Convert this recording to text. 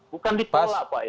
bukan ditolak pak ya